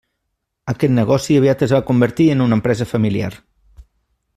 Aquest negoci aviat es va convertir en una empresa familiar.